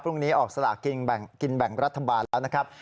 พรุ่งนี้ออกสลากกินแบ่งรัฐบาลแล้วนะครับ